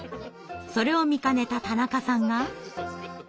それを見かねた田中さんが。